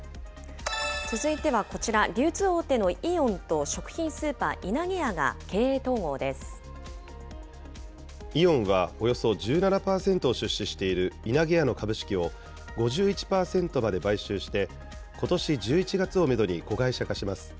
続いてはこちら、流通大手のイオンと食品スーパー、いなげやイオンは、およそ１７％を出資しているいなげやの株式を５１％まで買収して、ことし１１月をメドに子会社化します。